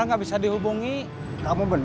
untuk misi saja tubuhnya terbang